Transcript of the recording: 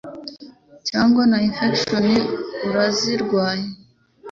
cyangwa se na infections urazirwaye